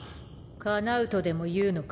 かなうとでもいうのか？